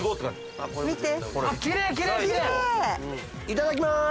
いただきまーす！